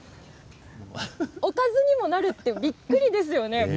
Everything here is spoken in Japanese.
おかずにもなるとびっくりですよね。